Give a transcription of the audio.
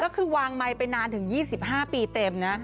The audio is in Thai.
แล้วคือวางไมค์ไปนานถึง๒๕ปีเต็มนะ